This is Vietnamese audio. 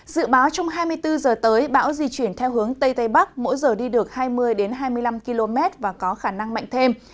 dự báo trong hai mươi bốn h tới bão di chuyển theo hướng tây tây bắc mỗi giờ đi được hai mươi hai mươi năm km và có khả năng mạnh thêm